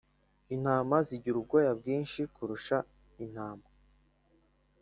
Intama zigira ubwoya bwinshi kurusha intama